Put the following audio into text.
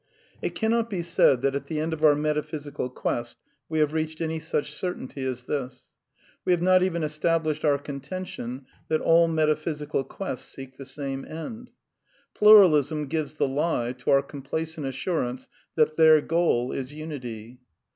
It cannot be said that at the end of our metaphysical quest we have reached any such certainty as this. We have not even established our contention that all meta physical quests seek the same end. Pluralism gives the lie to our complacent assurance that their goal is unity.